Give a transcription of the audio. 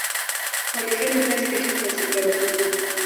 walifanya kazi katika mazingira magumu mno